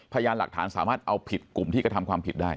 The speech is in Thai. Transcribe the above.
พยานหลักฐานสามารถเอาผิดกลุ่มที่กระทำความผิดได้